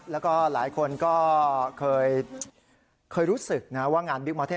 แล้วก็หลายคนก็เคยรู้สึกนะว่างานบิ๊กมอเทศ